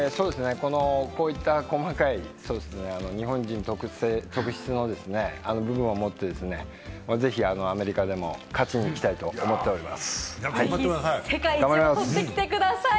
こういった細かい日本人特質の部分を持って、ぜひアメリカでも勝ちに行きたいと思っております。